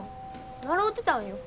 習うてたんよ。